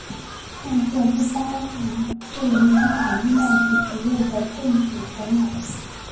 但这不包含个人资产依赖其职位的政府首脑。